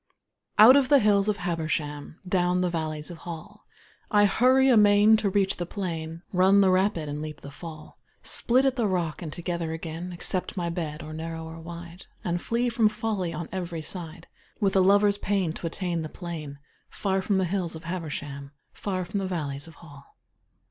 Out of the hills of Habersham, Down the valleys of Hall, I hurry amain to reach the plain, Run the rapid and leap the fall, Split at the rock and together again, Accept my bed, or narrow or wide, And flee from folly on every side With a lover's pain to attain the plain Far from the hills of Habersham, Far from the valleys of Hall.